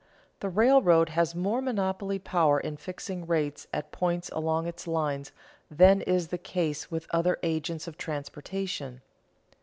_The railroad has more monopoly power in fixing rates at points along its lines than is the case with other agents of transportation.